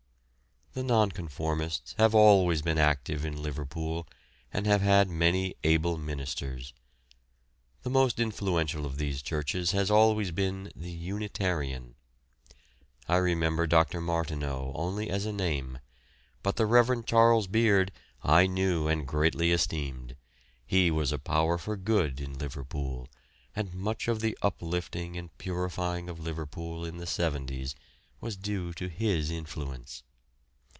The nonconformists have always been active in Liverpool, and have had many able ministers. The most influential of these churches has always been the Unitarian. I remember Dr. Martineau only as a name, but the Rev. Charles Beard I knew and greatly esteemed. He was a power for good in Liverpool, and much of the uplifting and purifying of Liverpool in the 'seventies was due to his influence.